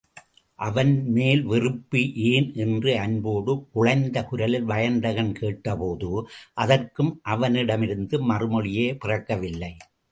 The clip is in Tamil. அவள் மேல் வெறுப்பு ஏன்? என்று அன்போடு குழைந்த குரலில் வயந்தகன் கேட்டபோது, அதற்கும் அவனிடமிருந்து மறுமொழியே பிறக்கவில்லை.